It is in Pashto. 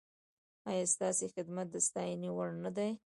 ایا ستاسو خدمت د ستاینې وړ نه دی؟